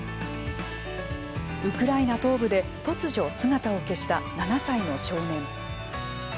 ウクライナ東部で突如姿を消した７歳の少年。